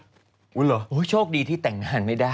อุ๊ยเหรอโอ้ยโชคดีที่แต่งงานไม่ได้